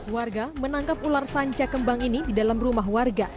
warga menangkap ular sanca kembang ini di dalam rumah warga